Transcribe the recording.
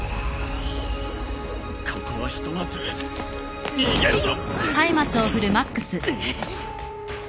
ここはひとまず逃げるぞ！